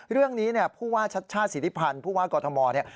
เรื่องนี้ผู้ว่าชาติสิทธิพันธ์ผู้ว่ากรธมอธิ์